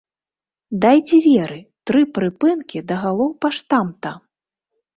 Дайце веры, тры прыпынкі да галоўпаштамта!